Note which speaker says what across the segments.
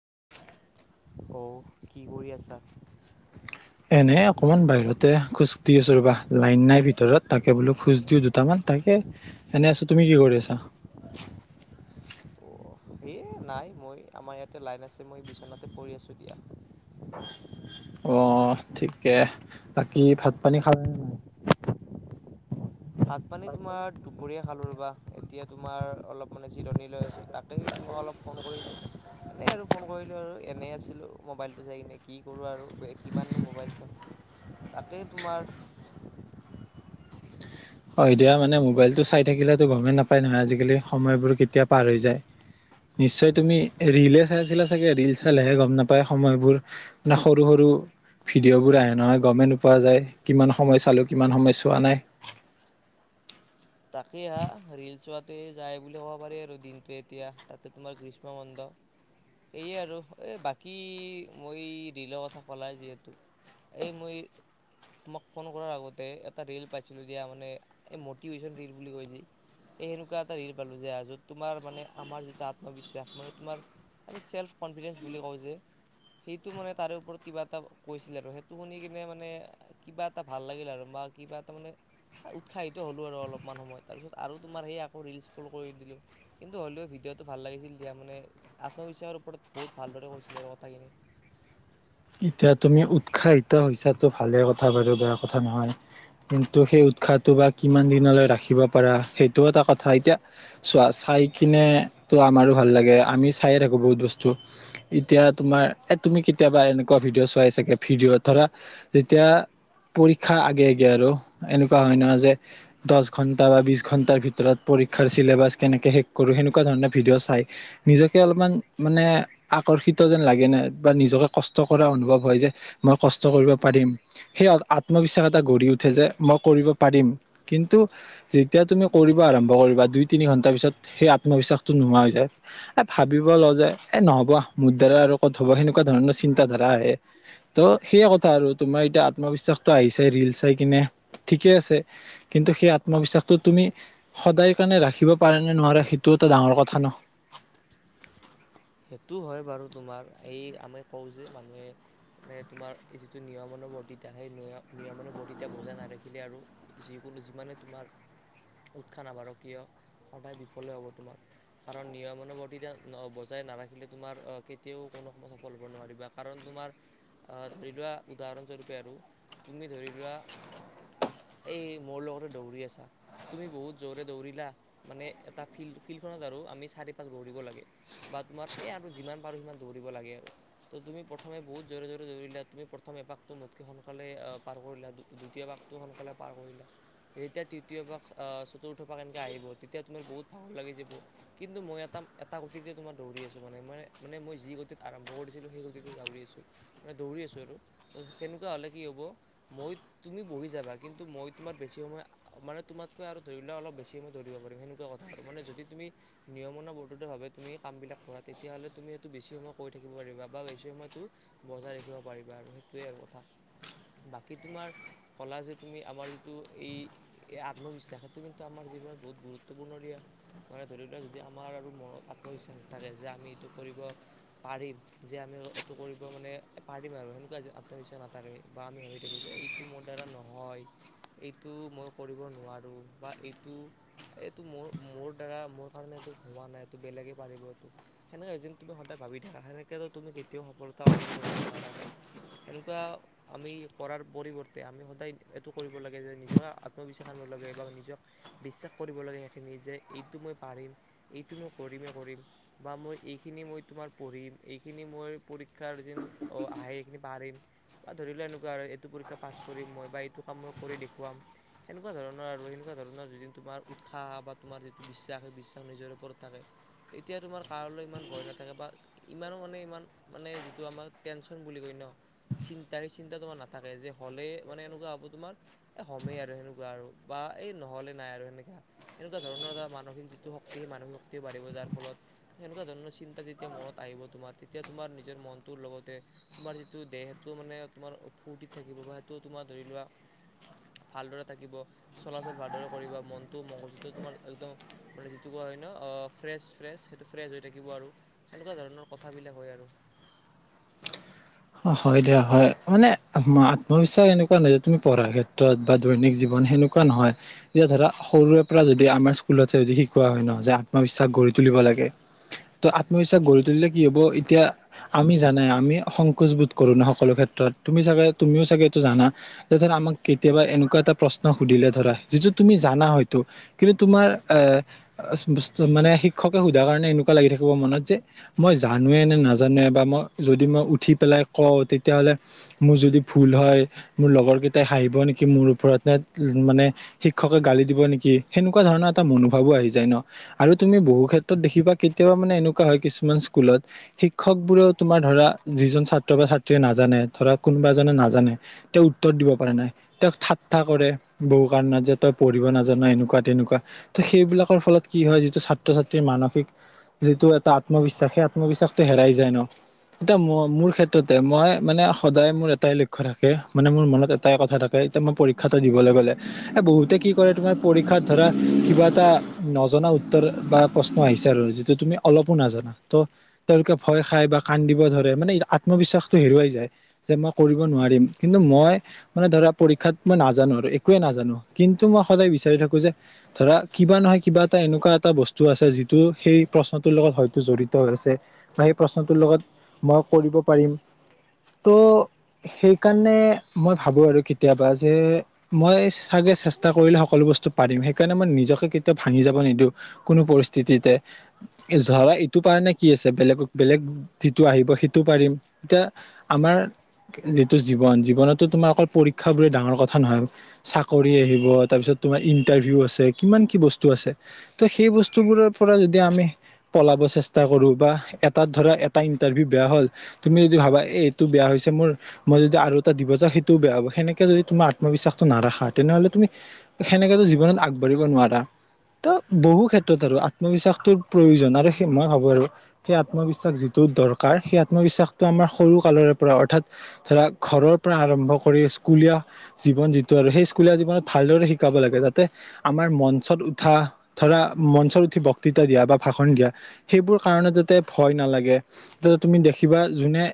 Speaker 1: [unintelligible] [inaudible]
Speaker 2: অ' কি কৰি আছা
Speaker 1: এনেই অকনমান বাহিৰতে খোজ আছো ৰবা লাইন নাই ভিতৰত তাকে বোলো খোজ দিও দুটামান [unintelligible] তাকে এনে আছো তুমি কি কৰি আছা
Speaker 2: এইয়ে নাই মই আমাৰ ইয়াতে লাইন আছে মই বিচনাতে পৰি আছো এতিয়া
Speaker 1: অ ঠিকে বাকী ভাত, পানী খালে নাই।
Speaker 2: ভাত পানী তোমাৰ দুপৰীয়া খালো ৰবা এতিয়া তোমাৰ অলপ- মানে জিৰণী লৈ আছো তাতেই তোমাক অলপ ফোন কৰিলো এনেই আৰু ফোন কৰিলো আৰু এনেই আছিলো মোবাইলটো চাই কিনে কি কৰোঁ আৰু কিমানন মোবাইল চ- তাকেই তোমাৰ-
Speaker 1: হয় দিয়া মানে মোবাইলটো চাই থাকিলেতো গমেই নাপায় নহয় আজিকালি সময়বোৰ কেতিয়া পাৰ হৈ যায়। নিশ্চয় তুমি ৰীলে চাই আছিলা চাগে ৰীল চাল লেহে গম নাপায় সময়বোৰ মে সৰু সৰু ভিডিঅ'বোৰ আহে নহয় গমে নোপোৱা যায়। কিমান সময় চালো কিমান সময় চোৱা নাই।
Speaker 2: তাকেই হা ৰিল চোৱাতে যায় বুলি ক'ব পাৰি আৰু দিনটোে এতিয়া তাতে তোমাৰ গ্ৰীষ্ম, মণ্ড সয়ে আৰু এই বাকী মই দলৰ কথা কলাই যিহেতু এই মই তোমাক ফোন কৰাৰ আগতে এটা ল পাইছিলো দিয়া মানে মিভেশন ৰিল বুলি কৈছে এই এনেুৱ এটা হ পালো যে যত তোমাৰ মানে আমাৰ যিটো আত্মবিশ্বাস মানে তোমাৰ আমি চ্ কনফিডেঞ্চ বুলি কওঁ যে। সেইটো মানে তাৰে ওপৰত কিবা এটা কৈছিলে আৰু সেইটো শুনি কিনে মানে কিবা এটা ভাল লাগিল। আৰু কিবা এটা মানে উৎসাহিত হ'লো আৰু অলপ- অকমান সময় তাৰপিছত আৰু তোমাৰ সেই আকৌ ৰিলচ কল কৰি দিলোঁ কিন্তু হ'লেও ভিডিঅ'টো ভাল লাগিছিল তেতিয়া মানে- আত্মবিশ্বাসৰ ওপৰত বহুত ভালদৰে কৈছিলে। কথাখিনি
Speaker 1: এতিয়া তুমি উৎসাহিতছটো ভালে কথা বাৰু বেয়া কথা নহয়। কিন্তু সেই উৎসাহটো বা কিমান দিনলৈ ৰাখিব পাৰা সেইটো এটা কথা এতিয়া চোৱা। খাই কিনে তো আমাৰো ভাল লাগে আমি চায়ে থাকোঁ বহুত বস্তু এতিয়া তোমাৰ- তুমি কেতিয়াবা এনেকুৱা ভিডিঅ' চোৱাই চাগে ভিডিঅ' ধৰা যেতিয়া পৰীক্ষা আগে আগে আৰু এনেকুৱা হয় নহয় যে দহ ঘন্টা বা বি ঘন্টাৰ ভিতৰত- পৰীক্ষা ছেলেবাচ কেনে সেক আৰু সেনে কোৱা ধৰণ ভীডিয় চাই নিজকে অলপ মান অ [unintelligible] যে লাগে ন বা নিজেষ্ট কষ্ট কৰা অনোভপ হয় যে মই কৰিব পাৰিম সেই অবিশ্বাস এটা গডীউঠে যে দিব পাৰিম কিন্তু যেতিয়া তুমি কৰিব আৰম্ভ কৰিবা যে দুই তিনি ঘণ্টা পিছত সেই আত্মবিশ্বাস কৰি- নোহোৱা হৈ যায় ভাবিব ল যে এ নহব মুদ দাৰা আৰু ক'ত হ'ব সেনেকুৱা ধৰণৰ চিন্তা। ধাৰা আহে ত' সেই কথা আৰু তোমাৰ এতিয়া আত্মবিশ্বাসটো আহিছোই ৰিল চাই কিনে। কিন্তু সেই আত্মবিশ্বাসটো তুমি সদায় কাৰণে ৰাখিব পাৰা নে নোৱাৰে সেইটো এটা। ডাঙৰ কথা ন।
Speaker 2: সেইটো হয় বাৰু তোমাৰ এই আমি কওঁ যে মানুহে মান তোমাৰ এই যিটো নিয়ম। ৰ্ত সেই নিয়মান বৰ্ততিা বজা নাৰাখিলে আৰু যিকোনো যিমানে তোমাৰ- উৎসাহ নাবাৰ কিয় সদায় বিফল হব তোমাৰ কাৰণ নিয়মৱৰ্তীতি- নিলে তোমাৰ কেতিয়াও কোনো সময়ত সফল হ'ব নোৱাৰা কাৰণ তোমাৰ ধৰি লোৱা উদ কাৰস্বৰূপে আৰু তুমি ধৰি লোৱা এই মোৰ লগতে দৌৰি আছা। তুমি বহুত জোৰে দৌৰিলা মানে এটা ফিল্ ফিল্ডখনত আৰু আমি চাৰি পাক দৌৰিব লাগে। বা তোমাৰ এই আৰু যিমান পাৰোঁ সিমান দৌৰিব লাগে আৰু ত' তুমি প্ৰথমে বহুত জোৰে জোৰে দৌৰিলে আৰু তুমি প্ৰথমে। টোঠে সোনকালে পাৰ কৰিলা দ্বিতীয় পাগটো সোনকালে পাৰ কৰিলা যেতিয়া তৃতীয় পাগ চতুৰ্থপা কেনকে আহিব তেতিয়া তুমাৰ বহুত ভাল লাগি যাব কিন্তু মই এটা এটা গতি যে তোমাৰ দৌৰি আছো মানে মান মানে মই যি গতিত আৰম্ভ কৰিছিলোঁ সেই গতিতে দৌৰি আছো মানে দৌৰি আছো আৰু- তেনেকুৱা হ'লে কি হ'ব মই তুমি বহি যাবা কিন্তু মই তোমাৰ বেছি সময় মানে তোমাক আৰু ধৰিলে অলপ বেছি সময় ধৰিব পাৰিম সেনেকুৱা কথা আৰু মান যদি তুমি নিয়মনা ব ভাবে তুমি। কামবিলাক কৰা তেতিয়াহ'লে তুমি সেইটো বেছি সময় কৰি থাকিব পাৰিব বা বেছি সময়তো বজাই ৰাখিব পাৰিবা আৰুেই তইাৰ কথা। বাকী তোমাৰ কলা যে তুমি আমাৰ যিটো এই আত্মবিশ্বাস সেইটো কিন্তু আমাৰ- বহুত গুৰুত্বপূৰ্ণ দিয়া মানে ধৰি লাক যদি আমাৰ আৰু মনত- কথাকে যে আমি এইটো কৰিব পাৰিম যে আমি এইটো কৰিব মানে পাৰিম আৰু তেনেকুৱা আত্মবিশ্বাস নাথাকে বা আমি ভাবি থাকো যে এইটো মোৰ দ্বাৰা নহয়। এইটো মই কৰিব নোৱাৰো বা এইটো এইটো মোৰ মোৰ দ্বাৰা মোৰ কাৰণে এইটো হোৱা নাই এইটো বেলেগে সদায় ভাবি থাক সেনেকো তুমি কেতিয়াও সফলতা অৰ্জন কৰিব নোৱাৰা বা সেনেকুৱা আমি কৰাৰ পৰিৱৰ্তে আমি সদায় এইটো কৰিব লাগে যে নিজৰ আত্মবিশ্বাস আন এবাৰ নিজক বিশ্বাস কৰিব লাগে সেই খিনি যে এটো মই পাৰিম এইটো মই কৰিমে কৰিম বা মই এইখনি মই তোমাৰ পঢ়িম এইখিনি মই পৰীক্ষাৰ অ আহে পাৰিম বা ধৰি লোৱা এনেকুৱা এইটো পৰীক্ষা পাছ কৰিম মই বা এইটো কাম মই কৰি দেখুৱাম সেনেকুৱা ধৰণৰ আৰু তেনে ধৰণৰ য তোমাৰ উৎসাহ বা তোমাৰ যিটো বিশ্বাস সেই বিশ্বাস নিজৰ ওপৰত থাকে তেতিয়া তোমাৰ কাৰলৈ ইমান ভয় নাথাকে বা ইমানো মানে ইমান মানে যিটো আমাৰ টেনছন বুলি কয় ন চিন্তা সেই চিন্তা তোমাৰ নাথাকে যে হ'লে মানে এনেকুৱা হ'ব তোমাৰ হমেই আৰু সেনেকুৱা আৰু বা এই নহ'লে নাই আৰু সেনেকা এনেকোৱা ধৰণৰ এটা মানসিক যিটো শক্তি সেই মানসিক শক্তিও বাঢ়িব যাৰ ফলত তেনেকুৱা ধৰণৰ চিন্তা যেতিয়া মনত আহিব তোমাৰ তেতিয়া তোমাৰ নিজৰ মনটোৰ লগতে তোমাৰ যি দেহটো মানে তোমাৰ ফূুৰ্তিত থাকিব বা সেইটো তোমাৰ ধৰি লোৱা ভালদৰে থাকিব চলাচল ভালদৰে কৰিব মনটো মংগজু তোমাৰ একদম মানে যিটো ক হয় ন ফ্ৰেছ ফ্ৰেছ থাকিব আৰু সেনেকুৱা ধৰণৰ কথাবিলাক হয় আৰু
Speaker 1: অ হয় দিয়া হয় মানে আত্মবিশ্বাস এনেকুৱা নাই যে তুমি পঢ়াৰ ক্ষেত্ৰত বা দৈনিক জীৱন সেনেক তেনেকুৱা নহয় এতিয়া ধৰা সৰুৰে পৰা যদি আমাৰ স্কুলতে যদি শিকোৱা হয় নহ যে আত্মবিশ্বাস গঢ় তুলিব লাগে লাগে ত আত্ম বিশ্বাস গৰি তুলিলে কি হব এতিয়া আমি জানাই কোজবোধ কৰো ন সকলো ক্ষেত্ৰত তুমি চাগে তুমিও চাগেটো জানা যে ধৰ আমাক কেতিয়াবা এনেকোৱা এটা প্ৰশ্ন সুধিলে ধৰা যিটো তুমি জানা হয়তো কিন্তু তোমাৰ এ মানে হিক শিক্ষকে সোধাৰ কাৰণে এনেকুৱা লাগি থাকিব মনত যে মই জানোৱে নে নাজানোৱে বা মই যদি মই উঠি পেলাই কওঁ তেতিয়াহ'লে মোৰ যদি ভুল হয় মোৰ লগৰ কেইটাই হাঁহিব নেকি মোৰ ওপৰত নে উম মানে শিক্ষকে গালি দিব নেকি সেনেকুৱা ধৰণৰ এটা মনোভাৱো আহি যায় ন আৰু তুমি বহুত ক্ষেত্ৰ দেখিবা কেতিয়াবা মানো হয় কিছুমান স্কুলত শিক্ষক বোৰ তোমাৰ ধৰা যিজন ছাত্ৰ বা ছাত্ৰীয়ে নাজানে ধৰাক কোনোবা এ জনে নাজানে তেওঁক উত্তৰ দিব পাৰে নাই তেওঁক ঠাট্টা কৰে বহু কাৰণত যে তই পঢ়িব নাজান এনেকুৱা তেনেকুৱা ত সেইবিলাকৰ ফলত কি হয় যিটো ছাত্ৰ ছাত্ৰী মানসিক যিটো এটা আত্মবিশ্বাস সেই আত্মবিশ্বাসটো হেৰাই যায় ন এতিয়া ম মোৰ ক্ষেত্ৰত তে মই মানে সদায় মোৰ এটাই লক্ষ্য থাকে মানে মোৰ মনত এটাই কথা থাকে এতিয়া মই পৰীক্ষাটো দিব লাগে বহুতে কি কৰে তমাৰ পৰীক্ষাত ধৰা কিবা এটা নজনা উত্তৰ বা পছ মই বিচাৰো যিটো তুমি অলপো নাজানা ত তেওঁলোকে ভয় খাই বা কান্দিব ধৰে মানে আত্মবিশ্বাসটো হেৰুৱাই যায় যে মই কৰিব নোৱাৰিম কিন্তু মই মানে ধৰা পৰীক্ষাত মই নাজানো একোৱে নাজানো কিন্তু মই সদায় বিচাৰি থাকো যে ধৰা কিবা নহয় কিবা এটা এনেকুৱা এটা বস্তু আছে যিটো সেই প্ৰশ্নটো লগত হয়টো জঢ়িত আছে বা সেই প্ৰশ্নটো লগত মই কৰিব পাৰিম ত' সেই কাৰণে মই ভাবো আৰু কেতিয়াবা যে মই চাগে চেষ্টা কৰিলে সকলোবোৰ পাৰিম সেইণে মই নিজে কেতিয়া ভাঙি যাব নিদিওঁ কোনো পৰিস্থিতিতে ধৰা সেইটো পাৰে নে কি আছে বেলেগক বেলেগ যিটো আহিব সেইটো পাৰিম এতিয়া আমাৰ যিটো জীৱন জীৱনতো তোমাৰ অকল পৰীক্ষা বোৰে ডাঙৰ কথা নহয় চাকৰি আহিব তাৰ পিছত তোমাৰ ইন্টাৰভিউ আছে কিমান কি বস্তু আছে ত সেই বস্তুবোৰৰ পৰা যদি আমি পলাব চেষ্টা কৰো বা এটাত ধৰা এটা ইন্টাৰভিউ বেয়া হল তুমি যদি ভাবা এইটো বেয়া হৈছে মোৰ মই যদি আৰু এটা দিবা সটোও বেয়া হ'ব সেনেকে যদি তোমাৰ আত্মবিশ্বাস নাৰাখা তেনেহলে তুমি সেনেকেতো জীৱনত আগবাঢ়িব নোৱাৰা ত বহু ক্ষেত্ৰত আৰু আত্মবিশ্বাসটোৰ প্ৰয়োজন আৰু সেই মই ভাবো আৰু সেই আত্মবিশ্বাস যিটো যত দৰকাৰ সেই আত্মবিশ্বাস আমাৰ সৰু কালৰে পৰা অৰ্থাৎ ধৰা ঘৰৰ পৰা আৰম্ভ কৰি স্কুলীয়া জীৱন যিটো বাৰু সেই স্কুলিয়া জীৱনত ভাল শিকাব লাগে যাতে আমাৰ মঞ্চত উঠা ধৰা মঞ্চত উঠি বক্তৃতা দিয়া বা ভাষণ দিয়া সেইবোৰ কাৰণে যাতে ভয় নালাগে যাতে তুমি দেখিবা যোনে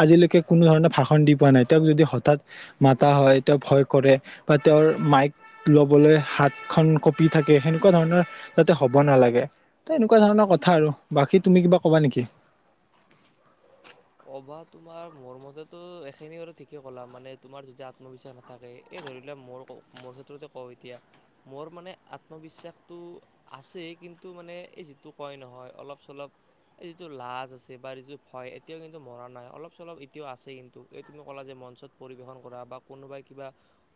Speaker 1: আজিলৈকে কোনো ধৰণৰ ভাষণ দি পোৱা নাই তেওঁক যদি হঠাৎ মাতা হয় তেওঁক ভয় কৰে বা তেওঁৰ মাইক লবলৈ হাত খন কপি থাকে সেনেকুৱা ধৰণৰ যাতে হ'ব নালাগে। এনেকুৱা ধৰণৰ কথা আৰু বাকী তুমি কিবা কবা নেকি?
Speaker 2: কবা তোমাৰ মোৰ মতেতো এইখিনি বাৰু ঠিকে ক'লা মানে তোমাৰ যদি আত্মবিশ্বাস নাথাকে। এই ধৰিলোৱা মো মোৰ ক্ষেত্ৰতে কওঁ এতিয়া মোৰ মানে আত্মবিশ্বাসটো আছে। কিন্তু মানে এই যিটো কয় নহয় অলপ চলপ এই যিটো লাজ আছে বা যটো ভয়। এতিয়াও কিন্তু মৰা নাই অলপ চলপ এতিয়াও আছেই কিন্তু এই তুমি নকলা যে মঞ্চত পৰিৱেশন কৰা বা কোনোবাই কিবা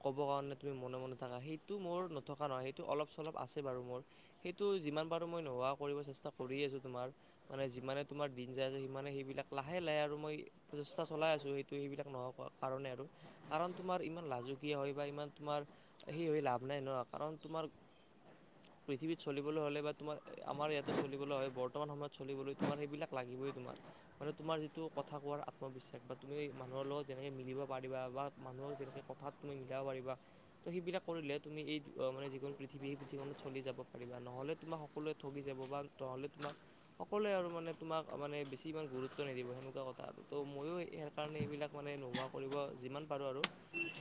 Speaker 2: ক'ব কাৰণে তুমি মনে মনে থাকা। সেইটো মোৰ নথকা নহয় সেইটো অলপ চলপ আছে বাৰু মোৰ সেইটো যিমান পাৰো মই নোহোৱা কৰিব চেষ্টা কৰি আছো তোমাৰ মানে যিমানে তোমাৰ দিন যাই আছে সিমানে সেইবিলাক লাহে লাহে আৰু মই চেষ্টা চলাই আছোঁ সেইটো সেইবিলাক নহব কাৰণে আৰু কাৰণ তোমাৰ ইমান লাজু। দুতিয়ে হয় বা ইমান তোমাৰ সেই হৈ লাভ নাই ন কাৰণ তোমাৰ পৃথিৱীত চলিবলৈ হ'লে বা তোমাৰ আমাৰ ইয়াতো চলিবলৈ হয় বৰ্তমান সময়ত চলিবলৈ তোমাৰ সেইবিলাক লাগে। গৈ তোমাৰ মানে তোমাৰ যিটো কথা কোৱাৰ আত্মবিশ্বাস বা তুমি মানুহৰ লগত যেনেকৈ মিলিব পাৰিবা বা মানুহক যেনেকৈ কবা। কথাত তুমি মিলাব পাৰিবা ত সেইবিলাক কৰিলে তুমি এই মানে যিখন পৃথিৱী সেই পৃথিৱখনত চলি যাব পাৰিবা। নহলে তোমাক সকলোৱে ঠগি যাব বা নহলে তোমাক সকলোৱে আৰু মানে তোমাক মানে বেছি ইমান গুৰুত্ব গুৰুত্ব নিদিব সেনেকুৱা কথা আৰু ত' মইয়ো সেই কাৰণে এইবিলাক মানে নোহোৱা কৰিব যিমান পাৰো। আৰু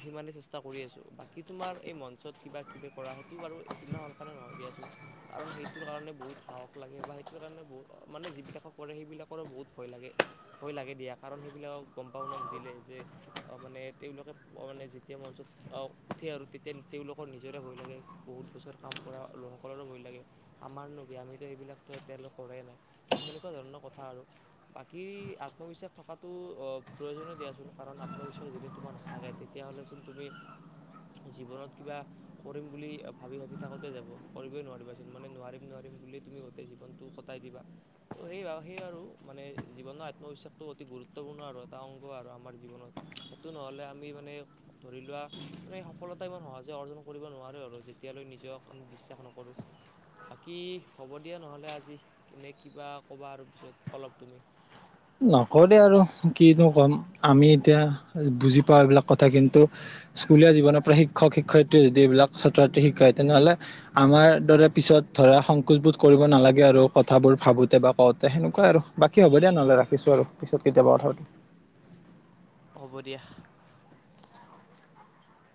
Speaker 2: ইমানে চেষ্টা কৰি আছো বাকী তোমাৰ এই মঞ্চত কিবা কিবি কৰা সেইটো বাৰু ইমান সোনকালে নহয় দিয়াচোন। কাৰণ সেইটোৰ কাৰণে বহুত সাহস লাগে বা সেইটোৰ কাৰণে বহু মানে যিবিলাকক কৰে সেইবিলাকৰো বহুত। ভয় লাগে দিয়া কাৰণ সৈইবিলাক কমপাউনত সুধিলে যে অ মানে তেওঁলোকে যেতিয়া মঞ্চত উঠে আৰু তেতিয়া তেওঁলোকৰ নিজৰে ভয় লাগে বহুত বছৰ কাম কৰা লোকসকলৰ ভয় লাগে আমাৰ ন কি? আমিটো সেইবিলাকো এতিয়ালকে কৰেই নাই। সেনেকুৱা ধৰণৰ কথা আৰু বাকী আত্মবিশ্বাস থকাতো অ প্ৰয়োজন দিয়াচোন কাৰণ আত্মবিশ্বাস যদি তোমাৰ নাথাকে। তেতিয়া ভাবাচোন তুমি? জীৱনত কিবা কৰিম বুলি ভাবি ভাবি থাকোতে যাব কৰিবই নোৱাৰিবাচোন মানে নোৱাৰিম নোৱাৰি। তুমি বুলি তুমি গোটেই জীৱনটো কটাই দিবা ত' সেই সেই আৰু মানে জীৱনৰ আত্মবিশ্বাসটো অতি গুৰুত্বপূৰ্ণ আৰু এটা অংগ আৰু আমাৰ জীৱনত সেইটো নহ'লে আমি মানে। ধৰি লোৱা মানে সফলতা ইমান সহজে অৰ্জন কৰিব নোৱাৰো আৰু যেতিয়ালৈ নিজক আমি বিশ্বাস নকৰো। বাকী হ'ব দিয়া নহলে আজি কেনে কিবা ক'বা আৰু পিছত অলপ তুমি?
Speaker 1: নকৰে আৰু কিনো কম আমি এতিয়া বুজি পাওঁ এইবিলাক কথা কিন্তু! স্কুলীয়া জীৱনৰ পৰা শিক্ষক শিক্ষয়িত্ৰী যদি এইবিলাক ছাত্ৰ ছাত্ৰী শিক্ষা তেনেহলে আমাৰ দৰে পিছত ধৰা সংকোচ বোধ কৰিব নালাগে আৰু কথাবোৰ ভাবোতে বা কওঁতে সেনেকুৱা আৰু বাকী হ'ব দিয়া নহ'লে ৰাখ। থছো আৰু পিছত কেতিয়াবা কথা পাতিম।
Speaker 2: হ'ব দিয়া।